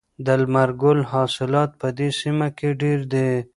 د لمر ګل حاصلات په دې سیمه کې ډیر دي.